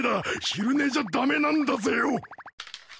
昼寝じゃ駄目なんだぜよ！